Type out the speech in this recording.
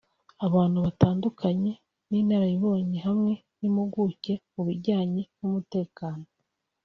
abantu batandukanye b’inararibonye hamwe n’impuguke mu bijyanye n’umutekano